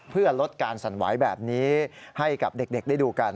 เพื่อลดการสั่นไหวแบบนี้ให้กับเด็กได้ดูกัน